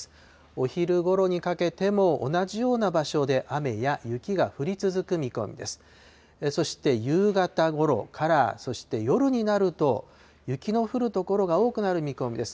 お昼ごろにかけても、同じような場所で雨や雪が降り続く見込みです。